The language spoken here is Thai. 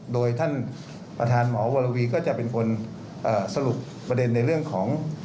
โดยท่านประธานหมอวรวีก็จะเป็นคนสรุปประเด็นในเรื่องของ